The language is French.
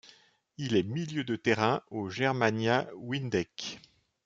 Il est milieu de terrain au Germania Windeck.